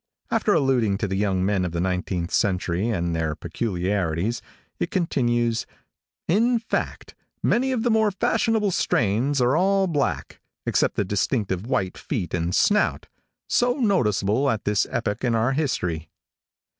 After alluding to the young men of the nineteenth century, and their peculiarities, it continues: "In fact, many of the more fashionable strains are all black, except the distinctive white feet and snout, so noticeable at this epoch in our history."